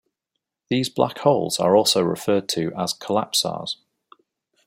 These black holes are also referred to as collapsars.